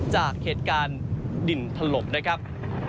จากเหตุการณ์ดินถล่มนะครับ